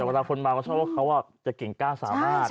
แต่เวลาคนมาก็เชื่อว่าเขาจะเก่งก้าสามารถ